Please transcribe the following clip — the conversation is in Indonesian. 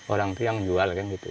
orang itu yang jual kan gitu